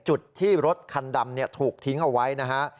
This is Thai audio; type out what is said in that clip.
จุดที่รถคันดำถูกทิ้งเอาไว้นะฮะ